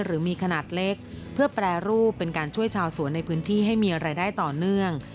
หรือมีขนาดเล็กเพื่อแปรรูปเป็นการช่วยชาวสวนในพื้นที่ให้มีรายได้ต่อเนื่อง